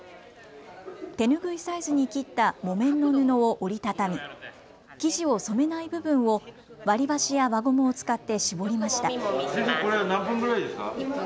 手拭いサイズに切った木綿の布を折り畳み生地を染めない部分を割り箸や輪ゴムを使って絞りました。